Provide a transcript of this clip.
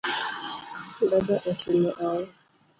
Baba:otimo ang'o?